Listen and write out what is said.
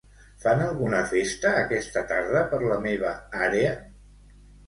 Fan alguna festa aquesta tarda per la meva àrea?